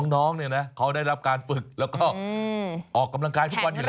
น้องเนี่ยนะเขาได้รับการฝึกแล้วก็ออกกำลังกายทุกวันอยู่แล้ว